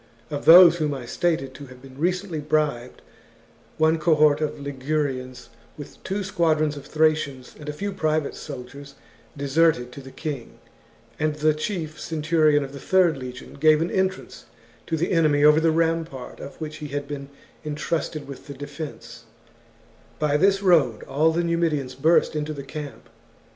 Of those whom I stated to have been recently bribed, one cohort of Ligurians, with two squadrons of Thracians and a few private soldiers, deserted to the king, and the chief centurion of the third legion gave an entrance to the enemy over the rampart of which he had been entrusted with the defence ; by this road all the Numidians burst into the camp.